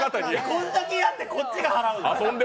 これだけやってこっちが払うの！？